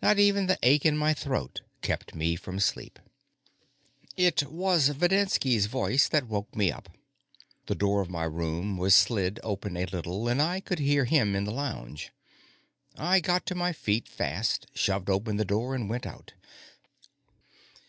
Not even the ache in my throat kept me from sleep. It was Videnski's voice that woke me up. The door of my room was slid open a little, and I could hear him in the lounge. I got to my feet fast, shoved open the door, and went out.